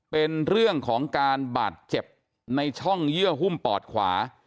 เป็นเรื่องของการบาดเจ็บในช่องเยื่อหุ้มปอดขวา